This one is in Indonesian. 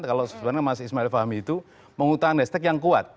kalau sebenarnya mas ismail fahmi itu mengutang es tek yang kuat